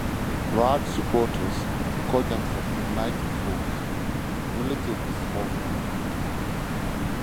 Rad's supporters call themselves "United Force", a relatively small group.